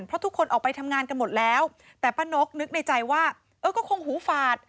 เพราะทุกคนออกไปทำงานกันหมดแล้วแต่ป้านกนึกในใจว่าเออก็คงหูฝาด